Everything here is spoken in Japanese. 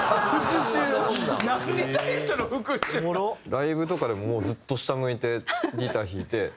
ライブとかでもずっと下向いてギター弾いて。